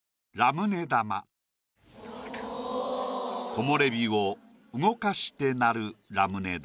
「木漏れ日を動かして鳴るラムネ玉」。